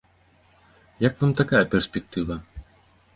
Як вам такая перспектыва?